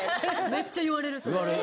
めっちゃ言われるそれ。